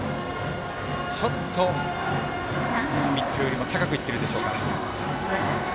ちょっとミットよりも高くいっているでしょうか。